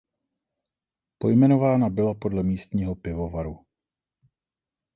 Pojmenována byla podle místního pivovaru.